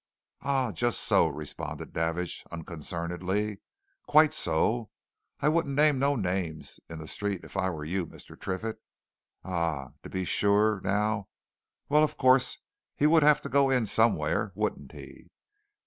"Ah, just so!" responded Davidge unconcernedly. "Quite so I wouldn't name no names in the street if I were you, Mr. Triffitt. Ah! to be sure, now. Well, of course, he would have to go in somewhere, wouldn't he?